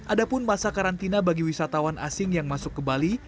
ada pun masa karantina bagi wisatawan asing yang masuk ke bali